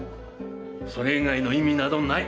それ以外の意味などない。